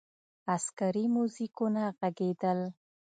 عسکري موزیکونه ږغېدل.